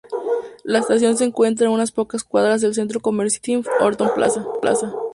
La estación se encuentra a unas pocas cuadras del centro comercial Westfield Horton Plaza.